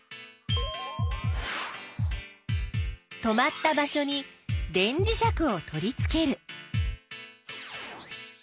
止まった場所に電磁石を取りつける。